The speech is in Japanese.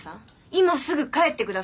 今すぐ帰ってください。